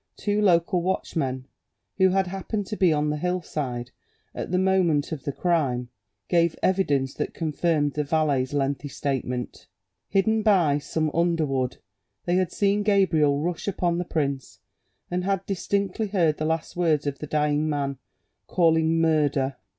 Two local watch men, who had happened to be on the hillside at the moment of the crime, gave evidence that confirmed the valet's lengthy statement; hidden by some under wood, they had seen Gabriel rush upon the prince, and had distinctly heard the last words of the dying man; calling "Murder!"